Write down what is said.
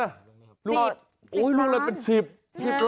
๑๐ล้าน๑๐ล้านนี่เหรอโอ๊ยรู้แล้วเป็น๑๐ล้านนี่เหรอ